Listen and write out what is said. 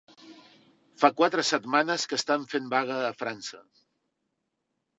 Fa quatre setmanes que estan fent vaga a França